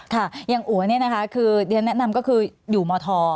ค่ะอย่างอัวนี่นะคะคือเรียนแนะนำก็คืออยู่มธ